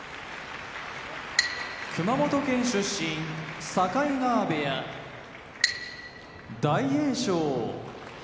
熊本県出身境川部屋大栄翔